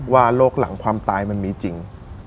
ว่าโรคหลังความตายมันมีจริง